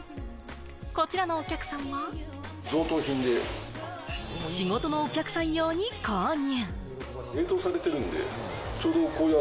こちらのお客さんは、仕事のお客さん用に購入。